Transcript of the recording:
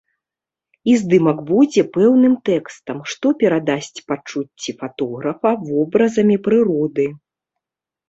І здымак будзе пэўным тэкстам, што перадасць пачуцці фатографа вобразамі прыроды.